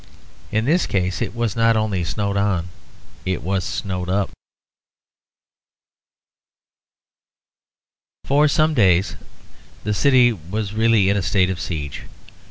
In this case it was not only snowed on, it was snowed up. For some days the city was really in a state of siege.